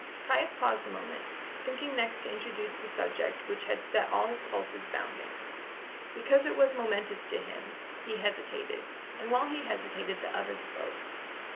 Caius paused a moment, thinking next to introduce the subject which had set all his pulses bounding. Because it was momentous to him, he hesitated, and while he hesitated the other spoke.